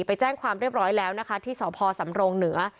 ไปแจ้งความเรียบร้อยแล้วนะคะที่สพสำรงเหนือ